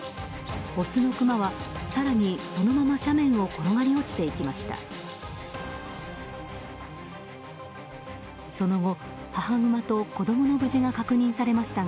オスのクマは、更にそのまま斜面を転がり落ちていきました。